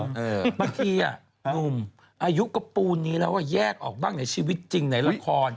บางทีหนุ่มอายุก็ปูนนี้แล้วแยกออกบ้างในชีวิตจริงในละคร